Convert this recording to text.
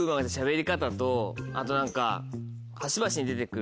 あと何か。